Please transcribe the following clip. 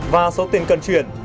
và số tiền cần chuyển